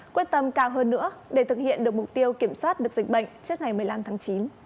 quyết tâm cao hơn nữa để thực hiện được mục tiêu kiểm soát được dịch bệnh trước ngày một mươi năm tháng chín